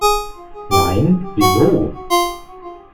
Nein, wieso?